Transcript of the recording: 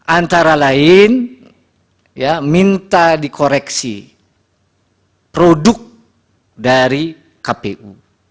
antara lain minta dikoreksi produk dari kpu